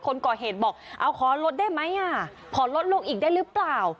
คนก่อเหตุบอกเอาขอลดได้ไหมอ่ะขอลดลูกอีกได้หรือเปล่า